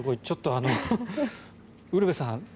ちょっとウルヴェさん